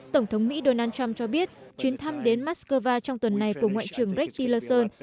tổng thống mỹ donald trump cho biết chuyến thăm đến moscow trong tuần này của ngoại trưởng greg tillerson